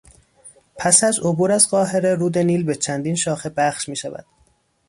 پس از عبور از قاهره رود نیل به چندین شاخه بخش میشود.